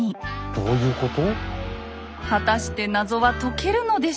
どういうこと？